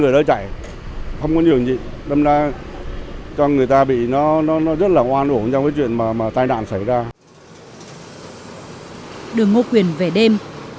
đường ngô quyền về đêm